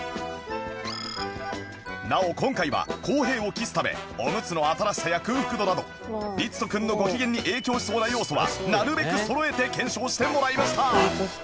なお今回は公平を期すためオムツの新しさや空腹度などりつと君のご機嫌に影響しそうな要素はなるべくそろえて検証してもらいました